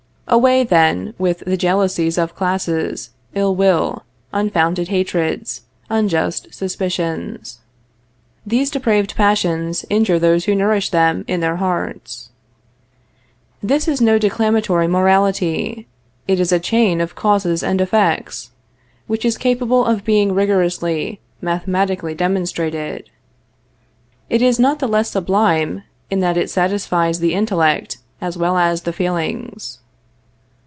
Away, then, with the jealousies of classes, ill will, unfounded hatreds, unjust suspicions. These depraved passions injure those who nourish them in their hearts. This is no declamatory morality; it is a chain of causes and effects, which is capable of being rigorously, mathematically demonstrated. It is not the less sublime, in that it satisfies the intellect as well as the feelings.